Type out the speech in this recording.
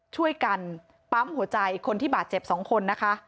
ช่วยกันปั๊มหัวใจคนที่บาดเจ็บ๒คนนะคะ